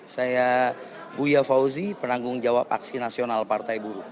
saya buya fauzi penanggung jawab aksi nasional partai buruh